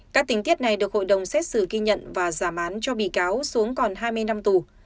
các tình tiết này được hội đồng xét xử ghi nhận và giảm án cho bị cáo xuống còn hai mươi năm tù